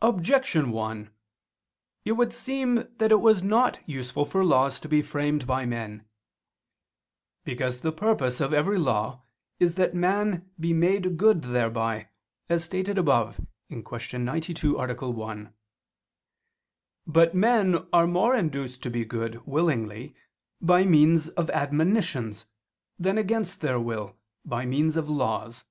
Objection 1: It would seem that it was not useful for laws to be framed by men. Because the purpose of every law is that man be made good thereby, as stated above (Q. 92, A. 1). But men are more to be induced to be good willingly by means of admonitions, than against their will, by means of laws.